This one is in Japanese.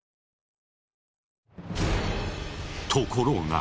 ところが。